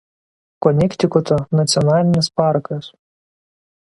Konektikuto nacionalinis parkas.